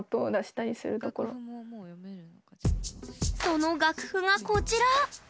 その楽譜が、こちら。